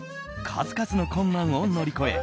数々の困難を乗り越え